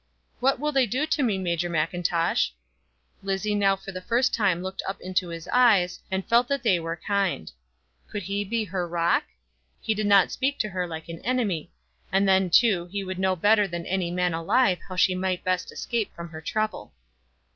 "What will they do to me, Major Mackintosh?" Lizzie now for the first time looked up into his eyes, and felt that they were kind. Could he be her rock? He did not speak to her like an enemy; and then, too, he would know better than any man alive how she might best escape from her trouble.